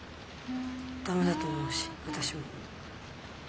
駄目だと思うし私も。